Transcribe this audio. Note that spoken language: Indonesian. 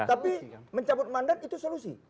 tapi mencabut mandat itu solusi